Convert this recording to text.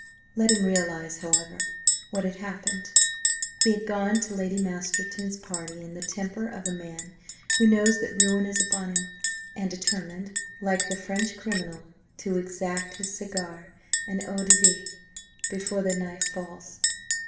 Let him realise, however, what had happened. He had gone to Lady Masterton's party, in the temper of a man who knows that ruin is upon him, and determined, like the French criminal, to exact his cigar and eau de vie before the knife falls.